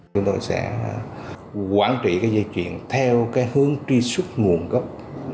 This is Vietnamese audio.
chúng tôi sẽ quản trị dây chuyền theo hướng tri xuất nguồn gốc